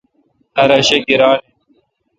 ہر اؘ شہ گیران این۔